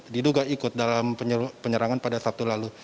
diduga ikut dalam penyerangan pada sabtu lalu